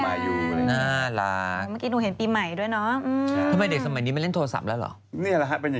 เธอรู้มั้ยว่าสังของทอระศัพท์นี่นะ